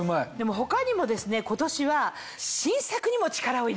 他にもですね今年は。